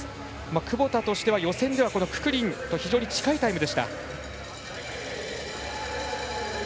窪田としては予選はククリンと非常に近いタイムでした。